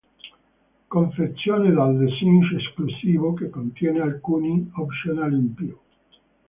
Confezione dal design esclusivo che contiene alcuni optional in più.